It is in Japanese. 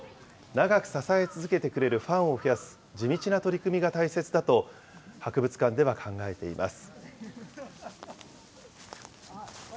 長く支え続けてくれるファンを増やす、地道な取り組みが大切だと博物館では考えています。